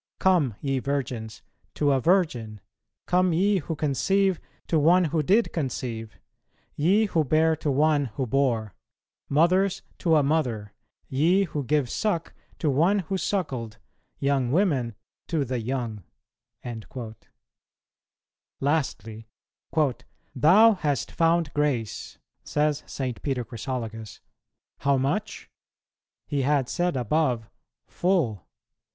.... Come, ye virgins, to a Virgin, come ye who conceive to one who did conceive, ye who bear to one who bore, mothers to a Mother, ye who give suck to one who suckled, young women to the Young." Lastly, "Thou hast found grace," says St. Peter Chrysologus, "how much? he had said above, Full.